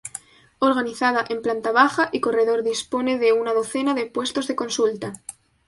Organizada en planta baja y corredor dispone de una docena de puestos de consulta.